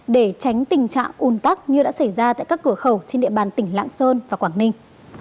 để tránh tình trạng ùn tắc như đã xảy ra tại các cửa khẩu trên địa bàn tỉnh lạng sơn và quảng ninh